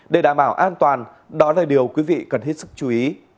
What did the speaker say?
để đảm bảo an toàn đó là điều quý vị cần hết sức chú ý